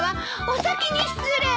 お先に失礼！